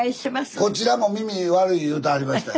こちらも耳悪い言うてはりましたよ。